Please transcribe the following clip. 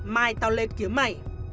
mai tao lên kiếm mày